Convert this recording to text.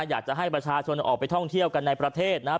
อยากจะให้ประชาชนออกไปท่องเที่ยวกันในประเทศนะครับ